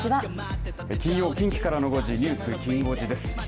金曜近畿からの５時ニュースきん５時です。